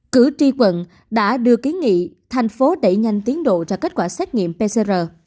cử tri quận đã đưa kiến nghị thành phố đẩy nhanh tiến độ ra kết quả xét nghiệm pcr